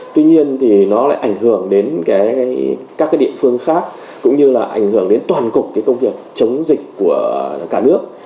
tuy nhiên thì nó lại ảnh hưởng đến các địa phương khác cũng như là ảnh hưởng đến toàn cục công việc chống dịch của cả nước